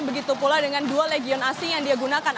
begitu pula dengan dua legion asing yang dia gunakan